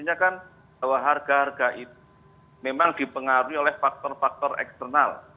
maksimal harga harga itu memang dipengaruhi oleh faktor faktor eksternal